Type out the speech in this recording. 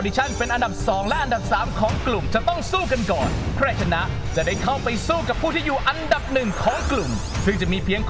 เชิญชมได้เลย